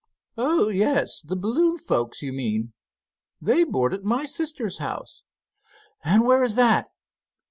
"Oh, yes, the balloon folks, you mean? They board at my sister's house." "And where is that?"